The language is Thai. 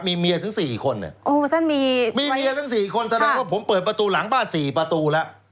มีเมียทั้ง๔คนมีเมียทั้ง๔คนแสดงว่าผมเปิดประตูหลังบ้าน๔ประตูแล้ว